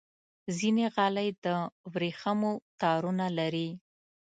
ځینې غالۍ د ورېښمو تارونو لري.